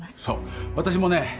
そう私もね。